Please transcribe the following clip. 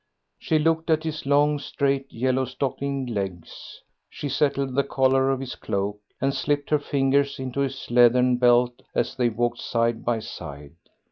She looked at his long, straight, yellow stockinged legs; she settled the collar of his cloak, and slipped her fingers into his leathern belt as they walked side by side.